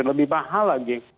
lebih mahal lagi